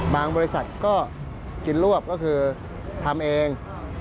บริษัทก็กินรวบก็คือทำเอง